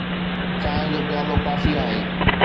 چانهه جو پيالو ڪافي آهي.